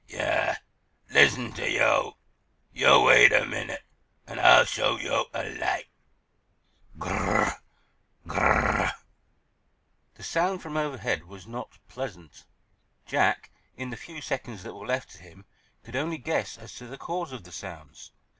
"Yah! Listen to yo'! Yo' wait er minute, an' Ah'll show yo' a light." Gr r r r! Gr r r r! That sound from overhead was not pleasant. Jack, in the few seconds that were left to him, could only guess as to the cause of the sounds.